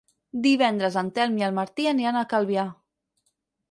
Divendres en Telm i en Martí aniran a Calvià.